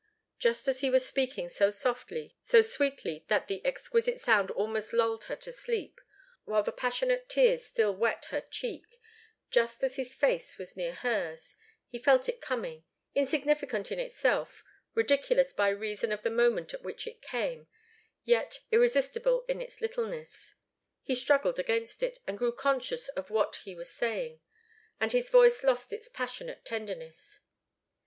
Just as he was speaking so softly, so sweetly that the exquisite sound almost lulled her to sleep, while the passionate tears still wet her cheek, just as his face was near hers, he felt it coming, insignificant in itself, ridiculous by reason of the moment at which it came, yet irresistible in its littleness. He struggled against it, and grew conscious of what he was saying, and his voice lost its passionate tenderness.